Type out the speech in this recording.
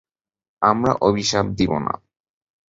আমরা অভিশাপ দিব না।